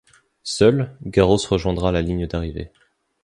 Seul, Garros rejoindra la ligne d'arrivée.